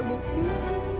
dibunuh prabu wijaya